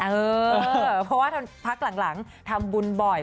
เพราะว่าพักหลังทำบุญบ่อย